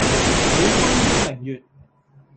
舉杯邀明月，